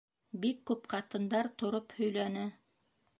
Бик күп ҡатындар тороп һөйләне.